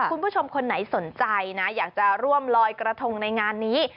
คุณผู้ชมคนไหนสนใจนะอยากจะร่วมลอยกระทงในงานนี้